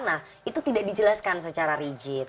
nah itu tidak dijelaskan secara rigid